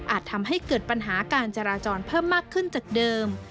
ทำให้เกิดปัญหาการจราจรเพิ่มมากขึ้นจากเดิม